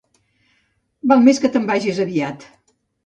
Val més que te'n vagis aviat.